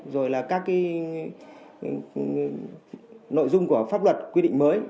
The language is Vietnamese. rồi là các cái nội dung của pháp luật quy định mới